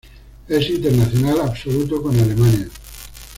Es internacional absoluto con Alemania.